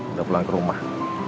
udah pulang ke rumah